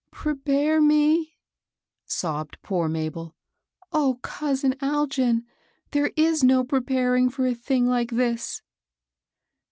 " Prepare me ?" sobbed poor MabeL *'.0 cous in Algin, there is no preparing for a thing like this!"